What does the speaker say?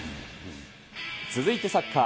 続いてサッカー。